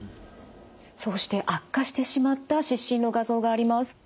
そうして悪化してしまった湿疹の画像があります。